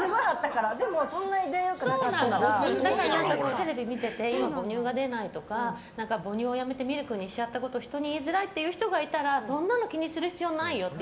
テレビ見てて今、母乳が出ないとか母乳をやめてミルクにしちゃったこと人に言いづらいっていう人がいたらそんなの気にする必要ないよって。